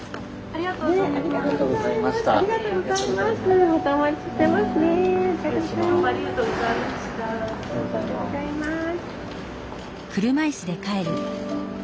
ありがとうございます。